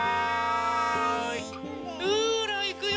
ほらいくよ！